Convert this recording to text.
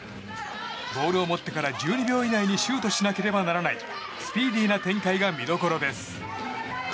ボールを持ってから１２秒以内にシュートしなければならないスピーディーな展開が見どころです。